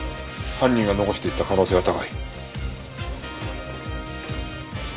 犯人が残していった可能性が高い。